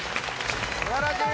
素晴らしい！